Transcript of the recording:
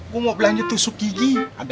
gue mau belanja tusuk gigi